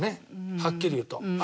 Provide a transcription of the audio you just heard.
はっきり言うと。